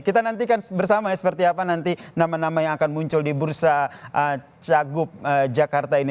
kita nantikan bersama ya seperti apa nanti nama nama yang akan muncul di bursa cagup jakarta ini